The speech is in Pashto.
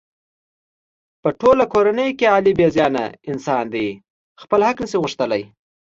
په ټوله کورنۍ کې علي بې زبانه انسان دی. خپل حق نشي غوښتلی.